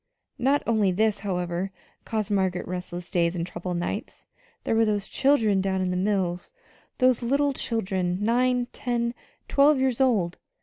Not only this, however, caused Margaret restless days and troubled nights: there were those children down in the mills those little children, nine, ten, twelve years old.